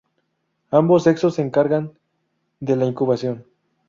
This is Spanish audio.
Ambos sexos se encargan de la incubación.